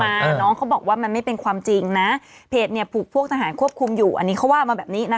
แต่น้องเขาบอกว่ามันไม่เป็นความจริงนะเพจเนี่ยผูกพวกทหารควบคุมอยู่อันนี้เขาว่ามาแบบนี้นะ